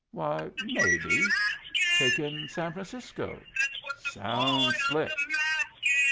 "Why, maybe." "Take in San Francisco?" "Sounds slick."